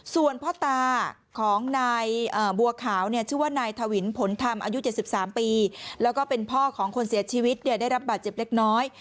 ส่วนพ่อตาของนายบัวขาวเนี่ยชื่อว่านายถวินผลธรรมอายุ๗๓ปีแล้วก็เป็นพ่อของคนเสียชีวิตได้รับบาดเจ็บเล็กน้อย